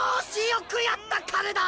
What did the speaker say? よくやった金田！